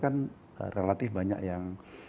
kan relatif banyak yang